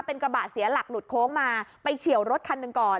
เป็นกระบะเสียหลักหลุดโค้งมาไปเฉียวรถคันหนึ่งก่อน